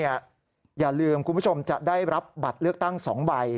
อย่าลืมคุณผู้ชมจะได้รับบัตรเลือกตั้ง๒ใบ